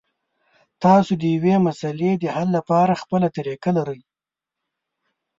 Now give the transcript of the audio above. تاسو د یوې مسلې د حل لپاره خپله طریقه لرئ.